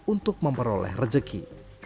untuk memperoleh rezeki